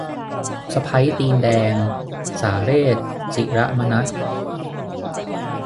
สะใภ้ตีนแดง - สาเรส ศิระมนัส